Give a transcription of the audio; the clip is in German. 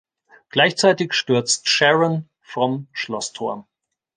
Gleichzeitig stürzt Sharon vom Schlossturm.